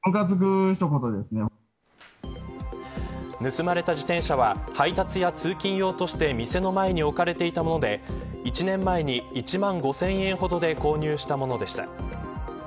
盗まれた自転車は、配達や通勤用として店の前に置かれていたもので１年前に１万５０００円ほどで購入したものでした。